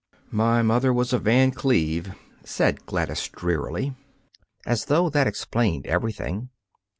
"My mother was a Van Cleve," said Gladys drearily, as though that explained everything.